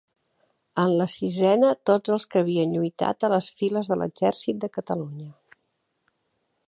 En la sisena tots els que havien lluitat a les files de l'exèrcit de Catalunya.